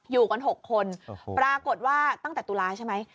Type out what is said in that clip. อยู่กัน๖คนปรากฏว่าตั้งแต่ตุลาใช่ไหม